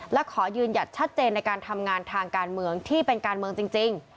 และขอยืนหยัดชัดเจนในการทำงานทางการเมืองที่เป็นการเมืองจริง